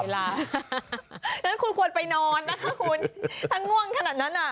งั้นคุณควรไปนอนนะคะคุณถ้าง่วงขนาดนั้นอ่ะ